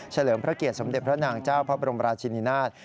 เลิมพระเกียรติสมเด็จพระนางเจ้าพระบรมราชินินาศ